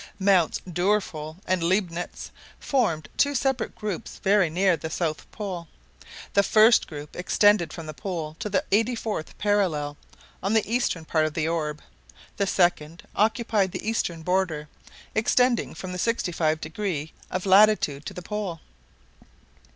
Mounts Doerful and Leibnitz formed two separate groups very near the south pole. The first group extended from the pole to the eighty fourth parallel, on the eastern part of the orb; the second occupied the eastern border, extending from the 65° of latitude to the pole.